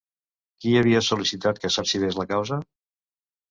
Qui havia sol·licitat que s'arxivés la causa?